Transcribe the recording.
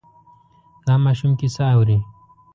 دا ماشوم کیسه اوري.